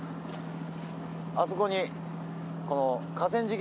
あそこにこの。